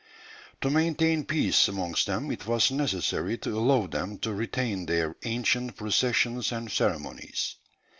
To maintain peace amongst them it was necessary to allow them to retain their ancient processions and ceremonies....